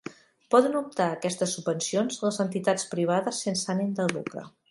Poden optar a aquestes subvencions les entitats privades sense ànim de lucre.